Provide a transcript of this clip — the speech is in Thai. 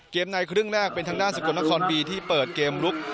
ในครึ่งแรกเป็นทางด้านสกลนครบีที่เปิดเกมลุก